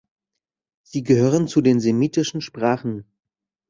Sie gehören zu den semitischen Sprachen.